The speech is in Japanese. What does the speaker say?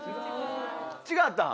違ったん？